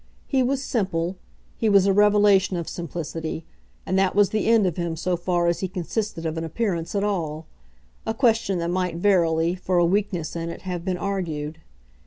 He was simple, he was a revelation of simplicity, and that was the end of him so far as he consisted of an appearance at all a question that might verily, for a weakness in it, have been argued.